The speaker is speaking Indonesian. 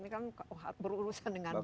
ini kan berurusan dengan